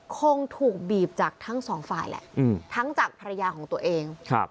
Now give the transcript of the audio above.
คงถูกบีบจากทั้งสองฝ่ายแหละทั้งจากภรรยาของตัวเอง